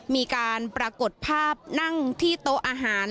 มีการปรากฏภาพนั่งที่โต๊ะอาหาร